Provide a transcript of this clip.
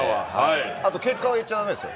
あと、結果は言っちゃだめですよ。